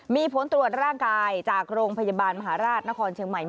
มีผลตรวจร่างกายจากโรงพยาบาลมหาราชนครเชียงใหม่